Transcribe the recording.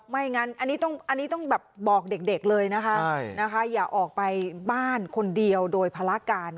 ไม่งั้นอันนี้ต้องแบบบอกเด็กเลยนะคะอย่าออกไปบ้านคนเดียวโดยภารการ